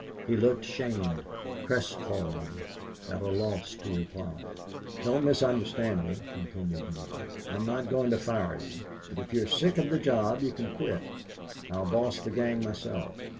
He looked shamed, crestfallen, at a loss to reply. "Don't misunderstand me," continued Neale. "I'm not going to fire you. But if you are sick of the job you can quit. I'll boss the gang myself...